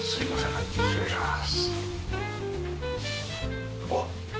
ああ失礼します。